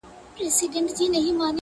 • یو ډاکټر له لیری راغی د ده خواله,